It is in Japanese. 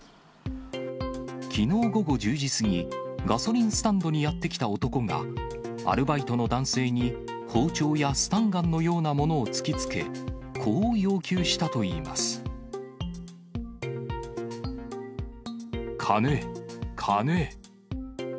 きのう午後１０時過ぎ、ガソリンスタンドにやって来た男が、アルバイトの男性に包丁やスタンガンのようなものを突きつけ、金、金。